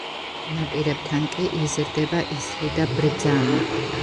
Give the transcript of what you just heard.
ნაპირებთან კი იზრდება ისლი და ბრძამი.